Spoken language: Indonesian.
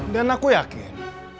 dan aku yakin